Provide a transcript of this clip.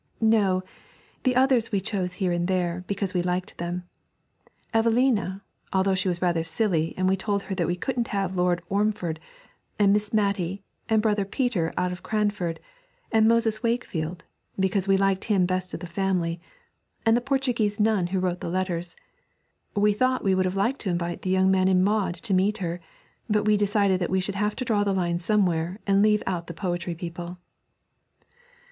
'No, the others we just chose here and there, because we liked them Evelina, although she was rather silly and we told her that we couldn't have Lord Ormond, and Miss Matty and Brother Peter out of Cranford, and Moses Wakefield, because we liked him best of the family, and the Portuguese nun who wrote the letters. We thought we would have liked to invite the young man in Maud to meet her, but we decided we should have to draw the line somewhere and leave out the poetry people.'